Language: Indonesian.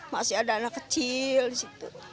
masih ada anak kecil di situ